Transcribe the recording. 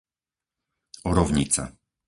Orovnica